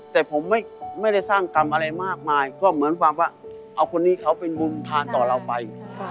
แต่ผมไม่ได้สร้างกรรมอะไรมากมายก็เหมือนความว่าเอาคนนี้เขาเป็นบุญผ่านต่อเราไป